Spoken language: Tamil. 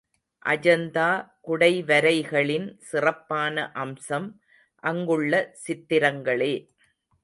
அஜந்தா குடைவரைகளின் சிறப்பான அம்சம் அங்குள்ள சித்திரங்களே.